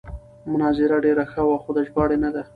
مناظره ډېره ښه وه خو د ژباړې نه ده.